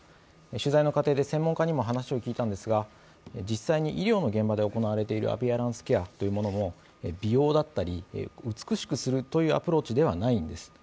取材の過程で専門家にも話を聞いたのですが、実際に医療の場で行われているアピアランスケアというものも、美容だったり美しくするというアプローチではないんです。